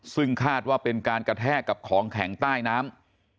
ซึ่งคาดว่าเป็นการกระแทกกับของแข็งใต้น้ำ